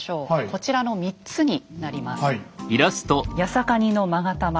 こちらの三つになります。